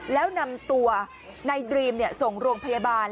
แล้วนำตัวนายดรีมส่งโรงพยาบาล